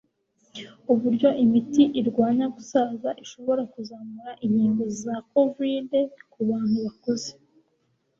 Uburyo imiti irwanya gusaza ishobora kuzamura inkingo za covid kubantu bakuze